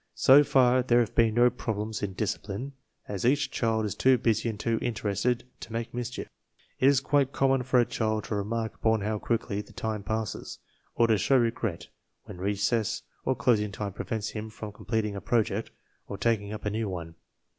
So far there have been no problems in discipline, as each child is too busy and too interested to make mischief. It is quite common for a child to remark upon how quickly the time passes, or to show regret when recess or closing time prevents him from completing a project or taking up a new one.